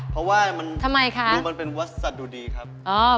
เพราะว่ามันเป็นวัสดุดีครับทำไมคะ